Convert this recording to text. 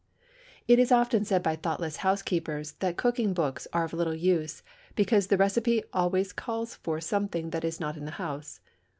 It is often said by thoughtless housekeepers that cooking books are of little use, because the recipes always call for something that is not in the house.